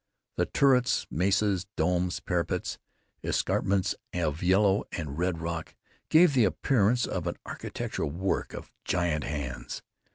The turrets, mesas, domes, parapets and escarpments of yellow and red rock gave the appearance of an architectural work of giant hands.